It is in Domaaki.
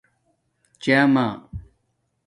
چھامہ